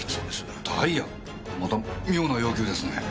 また妙な要求ですね。